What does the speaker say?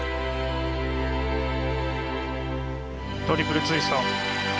トリプルツイスト。